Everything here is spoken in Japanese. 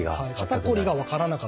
肩こりが分からなかった。